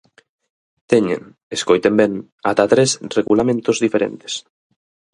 Teñen, escoiten ben, ata tres regulamentos diferentes.